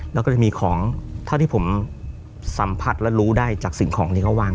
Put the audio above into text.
แล้วก็จะมีของเท่าที่ผมสัมผัสและรู้ได้จากสิ่งของที่เขาวาง